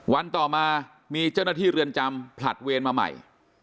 วันต่อมามีเจ้าหน้าที่เรือนจำผลัดเวรมาใหม่